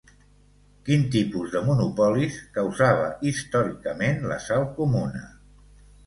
Quin tipus de monopolis causava històricament la sal comuna?